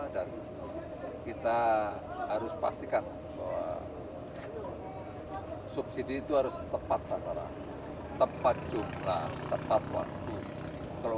dan kita harus pastikan bahwa subsidi itu harus tepat sasaran tepat jumlah tepat waktu kalau